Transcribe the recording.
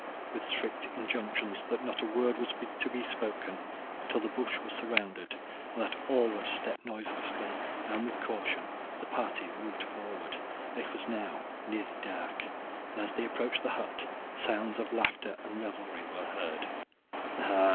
With strict injunctions that not a word was to be spoken until the bush was surrounded, and that all were to step noiselessly and with caution, the party moved forward. It was now nearly dark, and as they approached the hut sounds of laughter and revelry were heard.